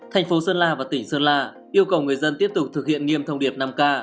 thành phố sơn la và tỉnh sơn la yêu cầu người dân tiếp tục thực hiện nghiêm thông điệp năm k